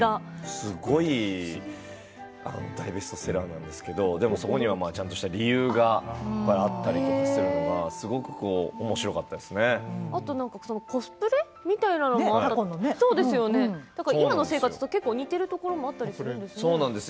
すごい大ベストセラーなんですけどそこにはちゃんと理由があったりとかするのがあと、なんかコスプレみたいなのもあったり今の生活と結構似ているところもあったりするんですかね。